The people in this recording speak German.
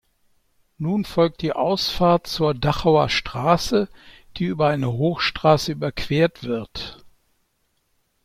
Nun folgt die Ausfahrt zur Dachauer Straße, die über eine Hochstraße überquert wird.